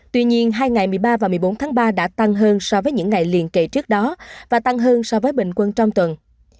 tuy nhiên hai ngày một mươi ba và một mươi bốn tháng ba đã tăng hơn so với những ngày liên kệ trước đó và tăng hơn so với bình quân trong tuần